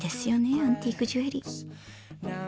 アンティークジュエリー。